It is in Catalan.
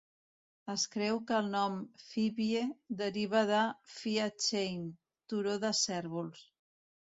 Es creu que el nom Fyvie deriva de "Fia-Chein" (turó de cérvols).